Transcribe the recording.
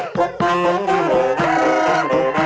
๓เครื่องพร้อมกันเลย